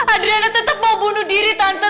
adriana tetep mau bunuh diri tante